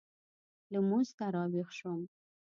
لمونځ ته راوېښ شوم.